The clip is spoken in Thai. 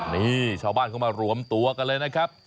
นี่ชาวบ้านเข้ามารวมตัวกันเลยนะครับ